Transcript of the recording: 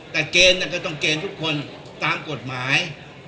แต่ต้องเกณฑ์ทุกคนตามกฎหมาย